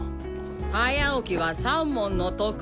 早起きは三文の徳！